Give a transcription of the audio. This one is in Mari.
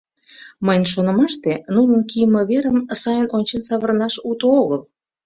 — Мыйын шонымаште, нунын кийыме верым сайын ончен савырнаш уто огыл.